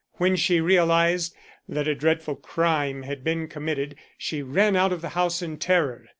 When she realized that a dreadful crime had been committed she ran out of the house in terror.